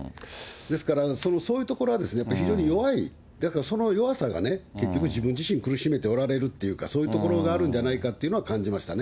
ですから、そういうところは非常に弱い、だからその弱さがね、結局、自分自身を苦しめておられるというか、そういうところがあるんじゃないかと感じましたね。